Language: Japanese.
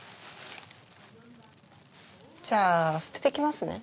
じゃあ捨てて来ますね。